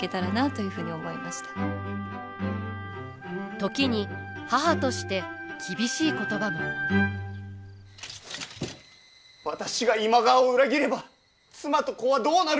時に母として私が今川を裏切れば妻と子はどうなるか！